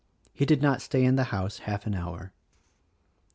He did not stay in the house half an hour."